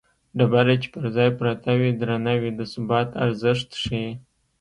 ډبره چې پر ځای پرته وي درنه وي د ثبات ارزښت ښيي